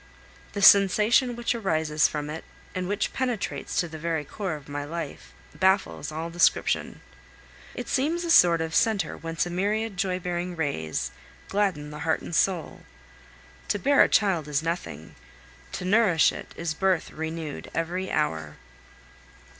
The sensation which rises from it, and which penetrates to the very core of my life, baffles all description. It seems a sort of centre whence a myriad joy bearing rays gladden the heart and soul. To bear a child is nothing; to nourish it is birth renewed every hour.